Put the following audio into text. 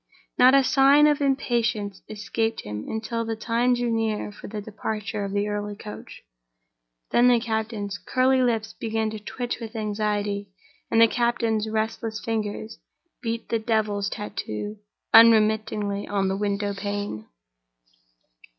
Not a sign of impatience escaped him until the time drew near for the departure of the early coach. Then the captain's curly lips began to twitch with anxiety, and the captain's restless fingers beat the devil's tattoo unremittingly on the window pane.